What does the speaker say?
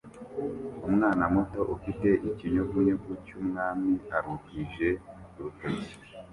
Umwana muto ufite ikinyugunyugu cyumwami aruhije urutoki